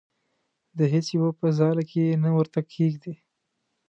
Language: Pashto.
د هیڅ یو په ځاله کې یې نه ورته کېږدي.